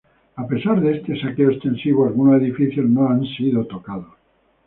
A pesar de este saqueo extensivo, algunos edificios no han sido tocados.